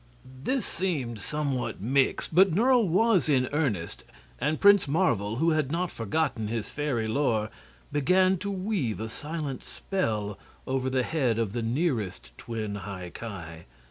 This seemed somewhat mixed, but Nerle was in earnest, and Prince Marvel, who had not forgotten his fairy lore, began to weave a silent spell over the head of the nearest twin High Ki.